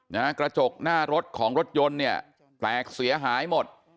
กระจกหน้ารถของรถยนต์เนี่ยแตกเสียหายหมด